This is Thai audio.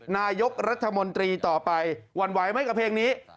นายกรัฐมนตรีต่อไปหวั่นไหวไหมกับเพลงนี้